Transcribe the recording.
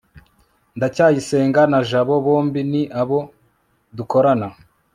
ndacyayisenga na jabo bombi ni abo dukorana